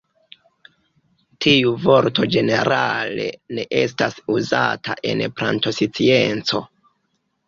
Tiu vorto ĝenerale ne estas uzata en plantoscienco.